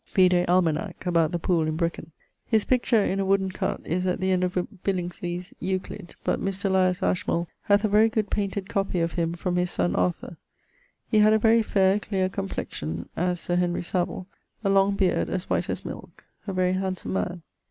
[LVIII.] Vide Almanac, about the poole in Brecon. His picture in a wooden cutt is at the end of Billingsley's Euclid, but Mr. Elias Ashmole hath a very good painted copie of him from his sonne Arthur. He had a very fair, clear complexione (as Sir Henry Savile); a long beard as white as milke. A very handsome man.